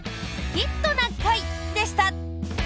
「ヒットな会」でした！